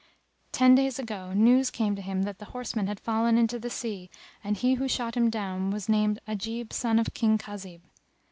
Ten days ago news came to him that the horseman had fallen into the sea and he who shot him down was named Ajib son of King Khazib.